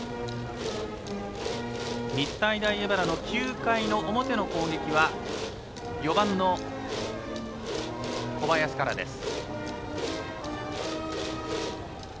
日体大荏原の９回の表の攻撃は４番の小林からです。